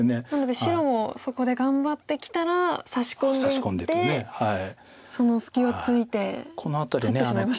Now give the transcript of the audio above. なので白もそこで頑張ってきたらサシ込んでいってその隙をついて取ってしまいましたね。